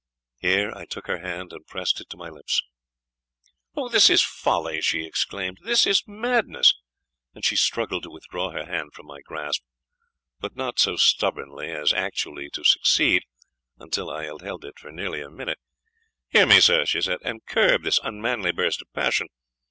Here I took her hand, and pressed it to my lips. "This is folly!" she exclaimed "this is madness!" and she struggled to withdraw her hand from my grasp, but not so stubbornly as actually to succeed until I had held it for nearly a minute. "Hear me, sir!" she said, "and curb this unmanly burst of passion.